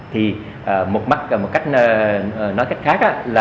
thì một cách nói cách khác